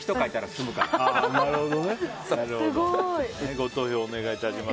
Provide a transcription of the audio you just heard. ご投票お願いします。